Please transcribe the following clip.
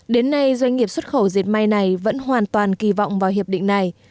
đến nay doanh nghiệp xuất khẩu dệt may này vẫn hoàn toàn kỳ vọng vào hiệp định này